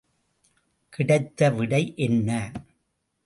கிடைத்த விடை என்ன?